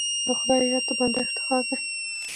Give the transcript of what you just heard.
د خدای یاد د بنده افتخار دی.